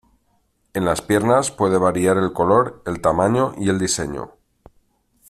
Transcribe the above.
En las piernas puede variar el color el tamaño y el diseño.